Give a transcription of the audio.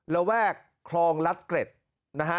ระแวกคลองลัดเกร็ดนะฮะ